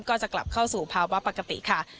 ก็จะกลับเข้าสู่ภาวะปกติค่ะ